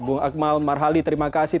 bung akmal marhali terima kasih